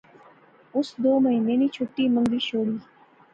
اس دو مہینے نی چُھٹی منگی شوڑی